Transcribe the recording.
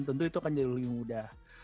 tentu itu akan jadi lebih mudah